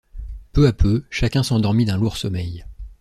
Peu à peu, chacun s’endormit d’un lourd sommeil.